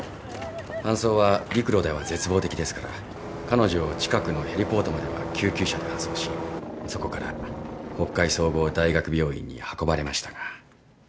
搬送は陸路では絶望的ですから彼女を近くのヘリポートまでは救急車で搬送しそこから北海総合大学病院に運ばれましたが。